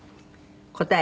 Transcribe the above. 答え。